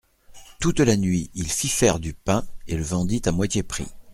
Toute la nuit il fit faire du pain et le vendit à moitié prix.